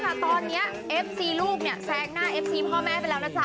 แต่ตอนนี้เอฟซีลูกเนี่ยแซงหน้าเอฟซีพ่อแม่ไปแล้วนะจ๊